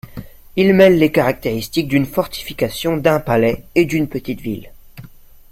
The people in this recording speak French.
Il mêle les caractéristiques d'une fortification, d'un palais et d'une petite ville.